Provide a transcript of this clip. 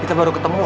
kita baru ketemu